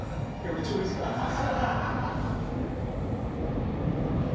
めっちゃうれしかったです！